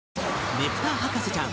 ねぷた博士ちゃん